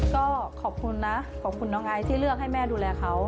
ก็ขอบคุณนะขอบคุณน้องไอซ์ที่เลือกให้แม่ดูแลเขา